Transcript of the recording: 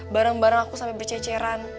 barang barang aku sampai berceceran